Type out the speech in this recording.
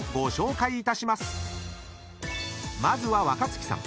［まずは若槻さん］